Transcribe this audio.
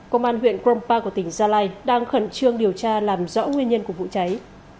công an huyện krongpa của tỉnh gia lai đang khẩn trương điều tra làm rõ nguyên nhân của vụ cháy